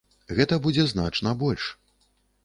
Гэта будзе значна больш.